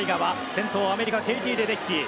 先頭はアメリカのケイティ・レデッキー。